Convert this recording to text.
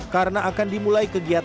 karena akan dimulai kegiatan